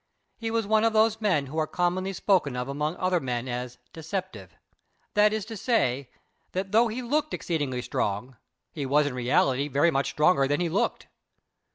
He was one of those men who are commonly spoken of among men as deceptive; that is to say, that though he looked exceedingly strong he was in reality very much stronger than he looked.